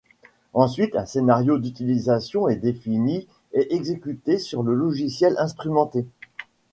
Ensuite, un scénario d'utilisation est défini et exécuté sur le logiciel instrumenté.